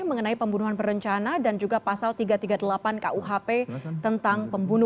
digelar di pengadilan negeri jakarta selatan